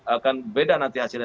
akan beda nanti hasilnya